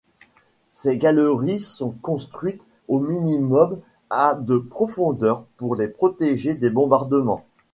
Ces galeries sont construites au minimum à de profondeur pour les protéger des bombardements.